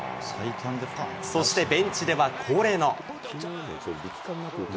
そしてベンチでは恒例の。